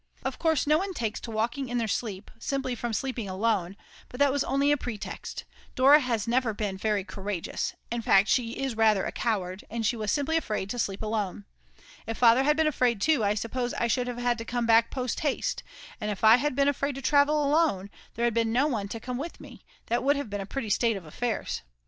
Of course no one takes to walking in their sleep simply from sleeping alone, but that was only a pretext; Dora has never been very courageous, in fact she is rather a coward, and she was simply afraid to sleep alone. If Father had been afraid too, I suppose I should have had to come back post haste, and if I had been afraid to travel alone, and there had been no one to come with me, that would have been a pretty state of affairs.